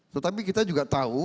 tetapi kita juga tahu